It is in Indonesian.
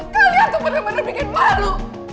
kalian tuh bener bener bikin malu